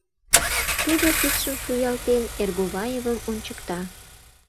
— Тудо, кидшым шуялтен, Эргуваевым ончыкта.